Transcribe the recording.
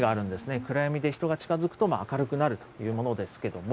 暗闇で人が近づくと明るくなるというものですけれども。